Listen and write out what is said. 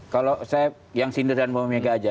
kalau saya yang sindiran bu mega aja